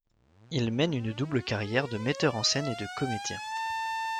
Il mène une double carrière de metteur en scène et de comédien.